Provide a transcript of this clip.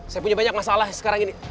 saya punya banyak masalah sekarang ini